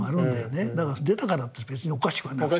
だから出たからって別におかしくはなくて。